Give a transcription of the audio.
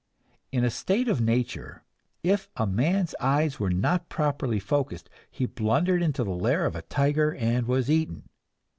In a state of nature, if a man's eyes were not properly focused, he blundered into the lair of a tiger and was eaten.